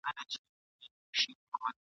مکتب پرانیستی د جینکیو ..